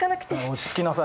落ち着きなさい。